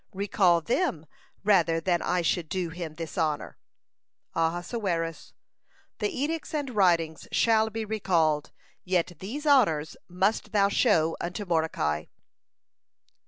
Recall them rather than I should do him this honor." Ahasuerus: "The edicts and writings shall be recalled, yet these honors must thou show unto Mordecai."